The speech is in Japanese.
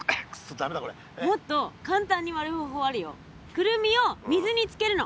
クルミを水につけるの。